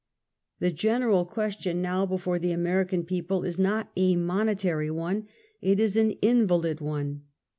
. The general question now before the American people is not a monetary one ; it is an invalid one.